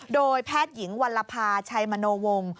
โดยแพทย์หญิงวัลภาชัยมโนวงศ์